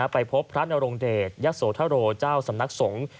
ไปพบพระนโรงเดรั์ยัชโษธะโรสำนักสงฆ์